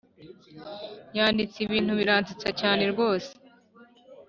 Yanditse ibintu biransetsa cyane rwose